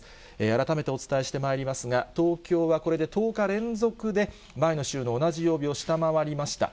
改めてお伝えしてまいりますが、東京はこれで１０日連続で前の週の同じ曜日を下回りました。